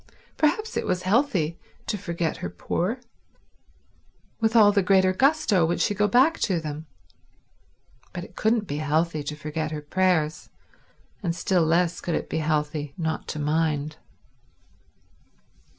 Perhaps it was healthy to forget her poor; with all the greater gusto would she go back to them. But it couldn't be healthy to forget her prayers, and still less could it be healthy not to mind.